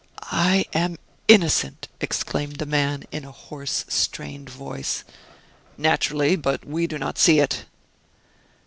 "I am innocent," exclaimed the man, in a hoarse, strained voice. "Naturally, but we do not see it."